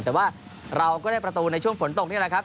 แต่ว่าเราก็ได้ประตูในช่วงฝนตกนี่แหละครับ